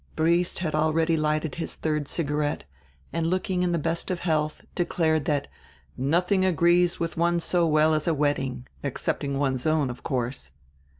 Briest had already lighted his third cigarette, and, look ing in the best of health, declared that "nothing agrees with one so well as a wedding, excepting one's own, of course."